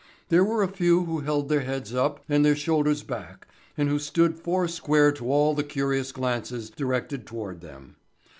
There were a few who held their heads up and their shoulders back and who stood four square to all the curious glances directed toward them.